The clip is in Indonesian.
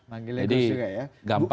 panggilnya gus juga ya